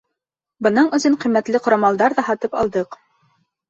Бының өсөн ҡиммәтле ҡорамалдар ҙа һатып алдыҡ.